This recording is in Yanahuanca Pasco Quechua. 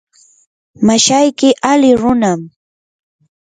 mashayki ali runam.